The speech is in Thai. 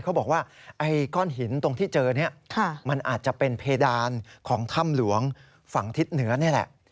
เขาบอกว่าไอ้ก้อนหินตรงที่เจอนี้มันอาจจะเป็นเพดานของถ้ำหลวงฝั่งทิศเหนือนี่แหละ